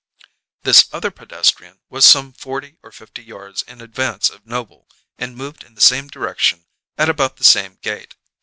This other pedestrian was some forty or fifty yards in advance of Noble and moved in the same direction at about the same gait.